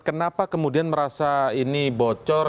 kenapa kemudian merasa ini bocor